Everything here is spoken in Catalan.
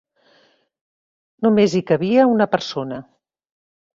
Només hi cabia una persona.